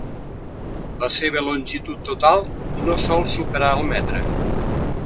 La seva longitud total no sol superar el metre.